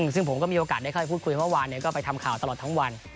ซึ่งผมก็มีโอกาสได้ค่อยพูดคุยเมื่อวานก็ไปทำข่าวตลอดทั้งวัน